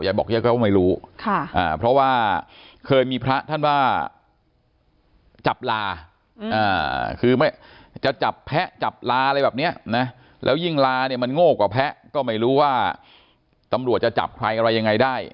บอกยายก็ไม่รู้เพราะว่าเคยมีพระท่านว่าจับลาคือจะจับแพะจับลาอะไรแบบนี้นะแล้วยิ่งลาเนี่ยมันโง่กว่าแพะก็ไม่รู้ว่าตำรวจจะจับใครอะไรยังไงได้